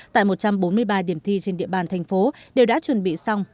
tại một trăm bốn mươi ba điểm thi trên địa bàn thành phố đều đã chuẩn bị xong